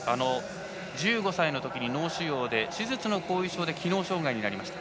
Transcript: １５歳のときに脳腫瘍で手術の後遺症で機能障がいになりました。